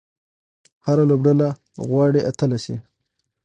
هره لوبډله غواړي اتله سي.